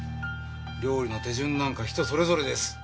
料理の手順なんか人それぞれです。